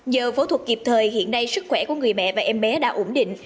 giờ phẫu thuật kịp thời hiện nay sức khỏe của người mẹ và em bé đã ổn định